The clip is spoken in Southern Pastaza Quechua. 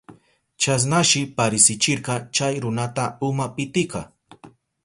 Chasnashi parisichirka chay runata uma pitika.